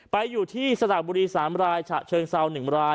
ไปอยู่ที่สกุกบุฏี๓รายเชิงเซ่า๑ราย